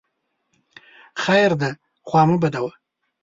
خیر دی خوا مه بدوه !